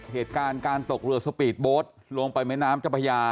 เหตุการณ์การตกเรือสปีดโบสต์ลงไปแม่น้ำเจ้าพระยา